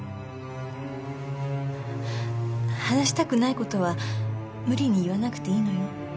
話したくない事は無理に言わなくていいのよ。